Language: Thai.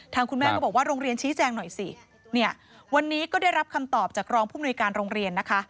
คุณแม่ก็บอกว่าโรงเรียนชี้แจงหน่อยสิเนี่ยวันนี้ก็ได้รับคำตอบจากรองผู้มนุยการโรงเรียนนะคะ